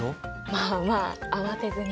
まあまあ慌てずに。